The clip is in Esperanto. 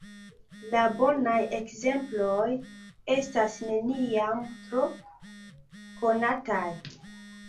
La bonaj ekzemploj estas neniam tro konataj!